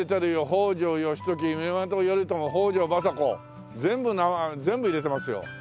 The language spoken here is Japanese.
「北条義時源頼朝北条政子」全部入れてますよ。